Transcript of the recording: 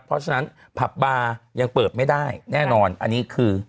เพราะฉะนั้นผับบาร์ยังเปิดไม่ได้แน่นอนอันนี้คือ